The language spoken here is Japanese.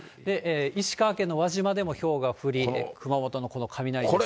石川県の輪島でもひょうが降り、熊本のこの雷ですね。